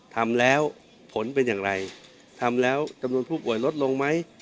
ทำแล้วผลเป็นอย่างไรทำแล้วจำนวนผู้ป่วยลดลงไหม